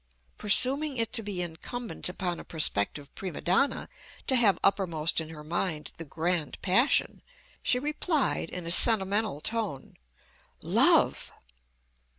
Presuming it to be incumbent upon a prospective prima donna to have uppermost in her mind the grand passion, she replied, in a sentimental tone, "Love!"